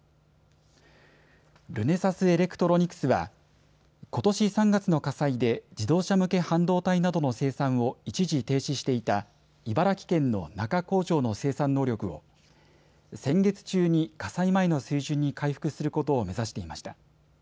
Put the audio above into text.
ルネサスエレクトロニクスはことし３月の火災で自動車向け半導体などの生産を一時停止していた茨城県の那珂工場の生産能力を先月中に火災前の水準に回復することを目指していました。